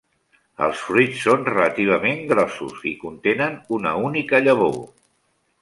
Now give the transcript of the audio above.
Els fruits són relativament grossos i contenen una única llavor.